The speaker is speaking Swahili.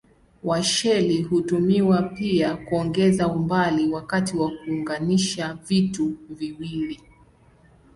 Washeli hutumiwa pia kuongeza umbali wakati wa kuunganisha vitu viwili.